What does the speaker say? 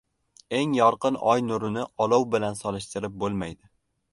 • Eng yorqin oy nurini olov bilan solishtirib bo‘lmaydi.